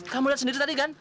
kamu lihat sendiri tadi kan